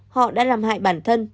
họ đã làm hại bản thân